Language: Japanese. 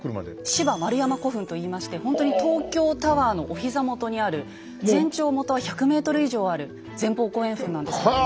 「芝丸山古墳」といいましてほんとに東京タワーのお膝元にある全長元は１００ｍ以上ある前方後円墳なんですけども。